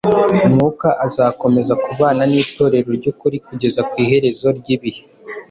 Mwuka azakomeza kubana n’Itorero ry’ukuri kugeza ku iherezo ry’ibihe.